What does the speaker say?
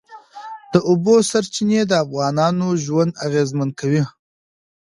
د اوبو سرچینې د افغانانو ژوند اغېزمن کوي.